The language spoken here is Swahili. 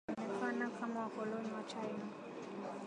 amesema Wajackoya Tunaonekana kama wakoloni wa China